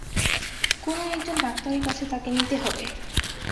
কোনো- একজন ডাক্তারের কাছে তাঁকে নিতে হবে।